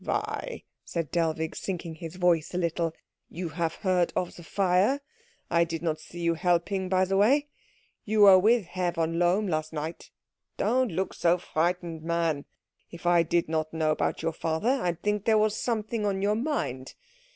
"Why," said Dellwig, sinking his voice a little, "you have heard of the fire I did not see you helping, by the way? You were with Herr von Lohm last night don't look so frightened, man if I did not know about your father I'd think there was something on your mind.